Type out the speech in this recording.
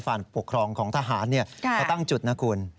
ฝ่ายปกครองของทหารเขาตั้งจุดนะคุณ